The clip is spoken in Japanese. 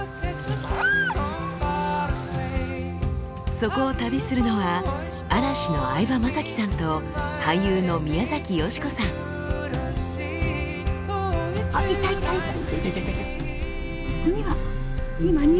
そこを旅するのは嵐の相葉雅紀さんと俳優の宮崎美子さん。あっいたいたいた！